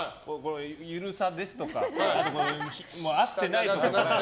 緩さですとかあと、下が合ってないとか。